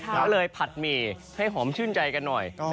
ก็เลยผัดหมี่ให้หอมชื่นใจกันหน่อย